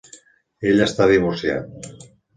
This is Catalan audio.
Ell està divorciat.